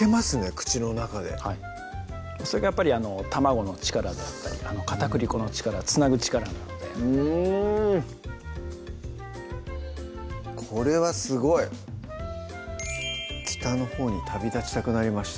口の中ではいそれがやっぱり卵の力であったり片栗粉の力つなぐ力なのでうんこれはすごい北のほうに旅立ちたくなりました